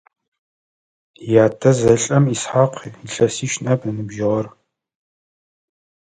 Ятэ зэлӀэм Исхьакъ илъэсищ ныӀэп ыныбжьыгъэр.